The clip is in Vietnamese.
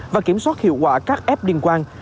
và kiểm soát hiệu quả các f liên quan